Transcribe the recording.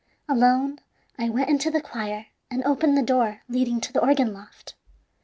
Alone I went into the choir and opened the door leading to the organ loft.